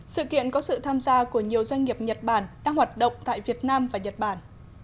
sự kiện có sự tham gia của nhiều doanh nghiệp nhật bản đang hoạt động tại việt nam và nhật bản